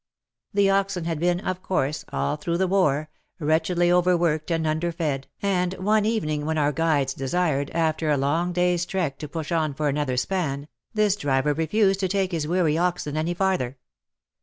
The oxen had been, of course, all through the war, wretchedly overworked and underfed, and one evening, when our guides desired, after a long day's trek to push on for another span, this driver refused to take his weary oxen any farther.